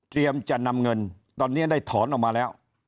จะนำเงินตอนนี้ได้ถอนออกมาแล้ว